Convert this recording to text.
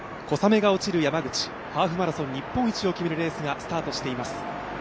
小雨が落ちる山口、ハーフマラソン日本一を決めるレースがスタートしています。